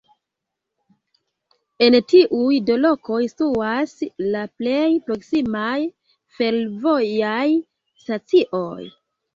En tiuj du lokoj situas la plej proksimaj fervojaj stacioj.